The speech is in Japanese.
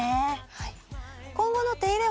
はい。